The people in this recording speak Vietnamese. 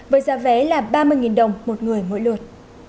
với giá vé là ba mươi đồng một người mỗi lượt